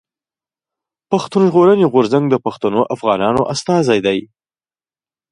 پښتون ژغورني غورځنګ د پښتنو افغانانو استازی دی.